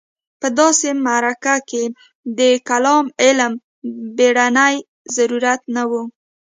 په داسې معرکه کې د کلام علم بېړنی ضرورت نه و.